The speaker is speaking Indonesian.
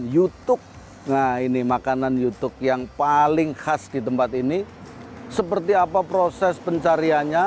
yutuk nah ini makanan youtube yang paling khas di tempat ini seperti apa proses pencariannya